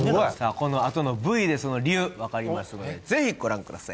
このあとのＶでその理由分かりますのでぜひご覧ください